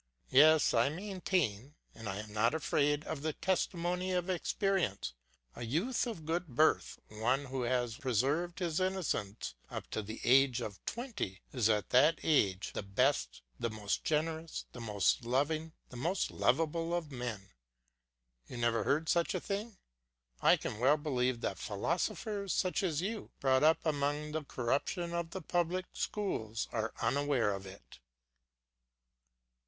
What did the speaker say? Yes, I maintain, and I am not afraid of the testimony of experience, a youth of good birth, one who has preserved his innocence up to the age of twenty, is at that age the best, the most generous, the most loving, and the most lovable of men. You never heard such a thing; I can well believe that philosophers such as you, brought up among the corruption of the public schools, are unaware of it.